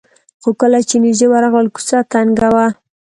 خو کله چې نژدې ورغلل کوڅه تنګه وه.